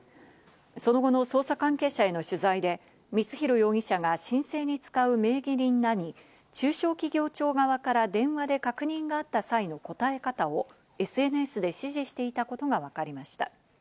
その後の捜査関係者への取材で光弘容疑者が申請に使う名義人らに中小企業庁側から電話で確認があった際の答え方をＳＮＳで指示していたことが分かりました。